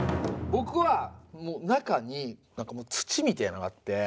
僕は中に何か土みてえなのがあって。